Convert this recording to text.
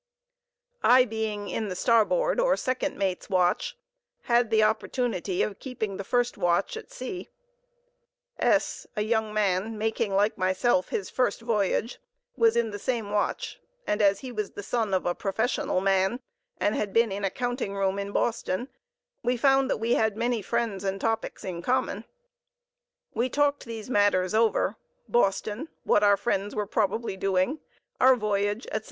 I being in the starboard, or second mate's watch, had the opportunity of keeping the first watch at sea. S——, a young man, making, like myself, his first voyage, was in the same watch, and as he was the son of a professional man, and had been in a counting room in Boston, we found that we had many friends and topics in common. We talked these matters over:—Boston, what our friends were probably doing, our voyage, etc.